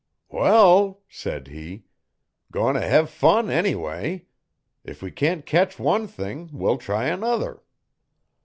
'Wall,' said he, 'goin' t' hev fun anyway. If we can't ketch one thing we'll try another.'